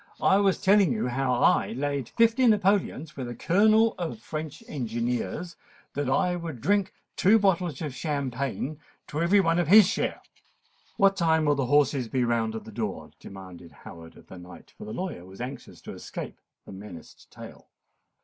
"I was telling you how I laid fifty napoleons with a Colonel of French engineers that I would drink two bottles of champagne to every one of his share——" "What time will the horses be round at the door?" demanded Howard of the knight; for the lawyer was anxious to escape the menaced tale.